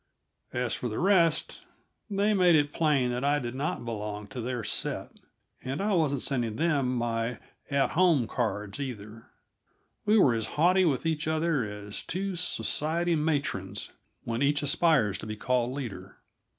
As for the rest, they made it plain that I did not belong to their set, and I wasn't sending them my At Home cards, either. We were as haughty with each other as two society matrons when each aspires to be called leader.